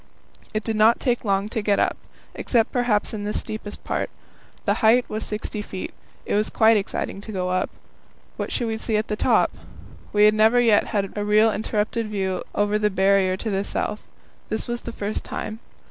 It did not take long to get up, except perhaps in the steepest part. The height was 60 feet. It was quite exciting to go up; what should we see at the top? We had never yet had a real uninterrupted view over the Barrier to the south; this was the first time.